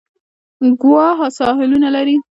ګوا ساحلونه لري.